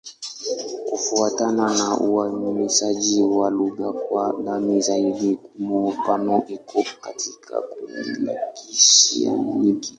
Kufuatana na uainishaji wa lugha kwa ndani zaidi, Kimur-Pano iko katika kundi la Kioseaniki.